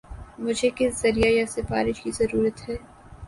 مجھے کس ذریعہ یا سفارش کی ضرورت ہے